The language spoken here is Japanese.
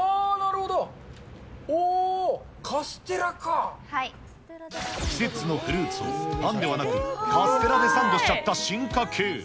あー、季節のフルーツを、パンではなくカステラでサンドしちゃった進化系。